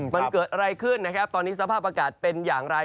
มันเกิดอะไรขึ้นนะครับตอนนี้สภาพอากาศเป็นอย่างไร